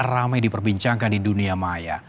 ramai diperbincangkan di dunia maya